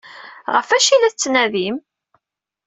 Ɣef wacu ay la tettnadim?